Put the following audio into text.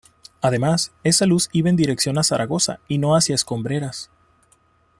Además esa luz iba en dirección Zaragoza y no hacia Escombreras".